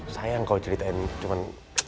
sayang kau ceritain cuman